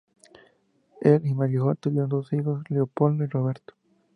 Él y Margot tuvieron dos hijos, Leopoldo y Roberto.